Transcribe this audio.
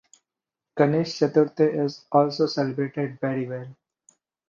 Ganesh Chaturthi is also celebrated very well.